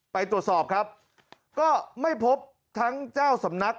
ไปตรวจสอบครับก็ไม่พบทั้งเจ้าสำนัก